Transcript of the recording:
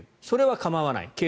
それは構わない。